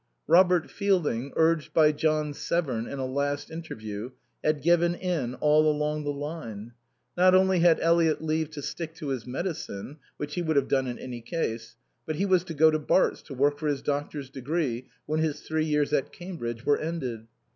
Robert Fielding, urged by John Severn in a last interview, had given in all along the line. Not only had Eliot leave to stick to his medicine (which he would have done in any case), but he was to go to Bart's to work for his doctor's degree when his three years at Cambridge were ended.